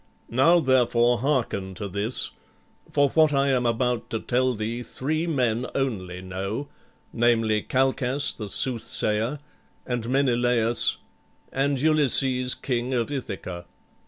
Now, therefore, hearken to this, for what I am about to tell thee three men only know, namely, Calchas the soothsayer, and Menelaüs, and Ulysses, king of Ithaca.